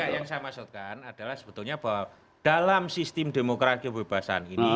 yang saya maksudkan adalah sebetulnya bahwa dalam sistem demokrasi kebebasan ini